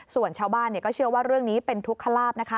ส่วนชาวบ้านก็เชื่อว่าเรื่องนี้เป็นทุกขลาบนะคะ